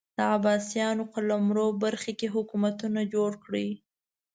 د عباسیانو قلمرو برخو کې حکومتونه جوړ کړي